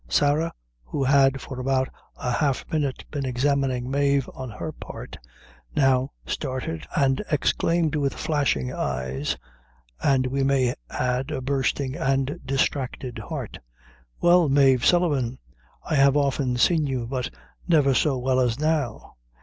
Sarah, who had for about a half minute been examining Mave on her part, now started, and exclaimed with flashing eyes, and we may add, a bursting and distracted heart "Well, Mave Sullivan, I have often seen you, but never so well as now.